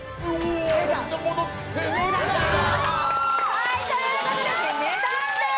はいという事で値段です。